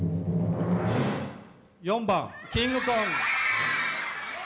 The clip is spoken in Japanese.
４番、キングコング！